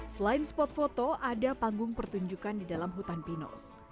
selain spot foto ada panggung pertunjukan di dalam hutan pinus